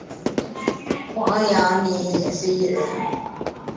黄雅珉也是艺人。